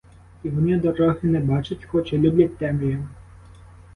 І вони дороги не бачать, хоч і люблять темряву.